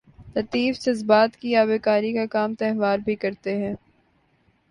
لطیف جذبات کی آبیاری کا کام تہوار بھی کرتے ہیں۔